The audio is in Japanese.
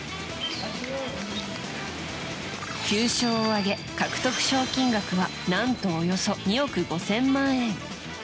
９勝を挙げ獲得賞金額は何とおよそ２億５０００万円。